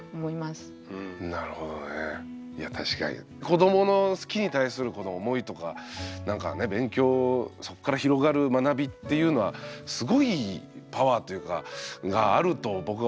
子どもの好きに対するこの思いとかなんかね勉強そっから広がる学びっていうのはすごいパワーというかがあると僕は思うんで。